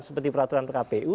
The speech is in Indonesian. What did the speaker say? seperti peraturan pkpu